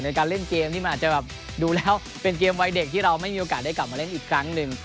ในการเล่นเกมที่มันอาจจะแบบดูแล้วเป็นเกมวัยเด็กที่เราไม่มีโอกาสได้กลับมาเล่นอีกครั้งหนึ่ง